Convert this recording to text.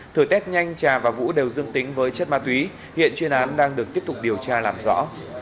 thời tết nhanh trà và vũ đều dương tính với chất ma túy hiện chuyên án đang được tiếp tục điều tra làm rõ